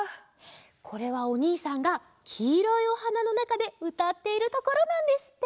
これはおにいさんがきいろいおはなのなかでうたっているところなんですって。